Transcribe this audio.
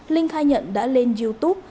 linh khai nhận đã lên youtube